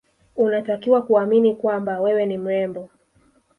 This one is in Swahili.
unatakiwa kuamini kwamba wewe ni mrembo